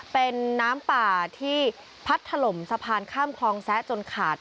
เป็นน้ำป่าที่พัดถล่มสะพานข้ามคลองแซะจนขาด